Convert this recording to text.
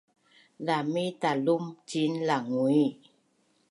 zami Talum ciin Langui